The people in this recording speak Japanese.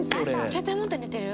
携帯持って寝てる？